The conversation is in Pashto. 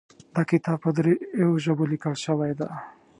دا کتاب په دریو ژبو لیکل شوی ده